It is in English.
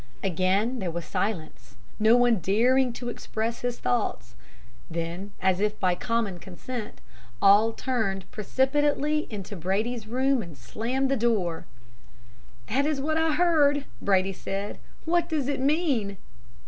Again there was silence, no one daring to express his thoughts. Then, as if by common consent, all turned precipitately into Brady's room and slammed the door. "'That is what I heard,' Brady said. 'What does it mean?'